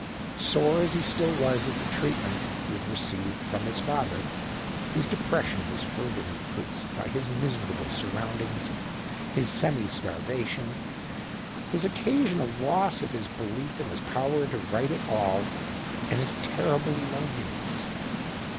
Sore as he still w^as at the treatment he had received from THE OCTAVE OF CLAUDIUS. 89 liis father, his depression was further increased by his miserable surroundings, his semi starvation, his occasional loss of his belief in his power to write at all, and his terrible loneliness.